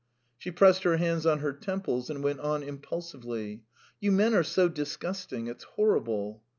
She pressed her hands on her temples, and went on impulsively. "You men are so disgusting! It's horrible!"